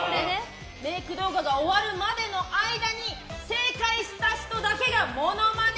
メイク動画が終わるまでの間に正解した人だけがモノマネ